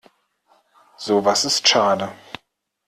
Sowas ist schade.